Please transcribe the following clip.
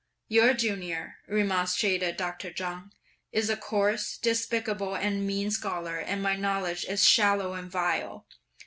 "Your Junior," remonstrated Dr. Chang, "is a coarse, despicable and mean scholar and my knowledge is shallow and vile!